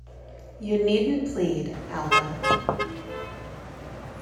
You needn’t plead, Alba.